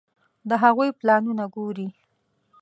د هغوی پلانونه ګوري.